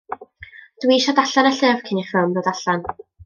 Dw i isio darllen y llyfr cyn i'r ffilm ddod allan.